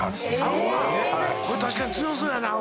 顎が⁉確かに強そうやな顎。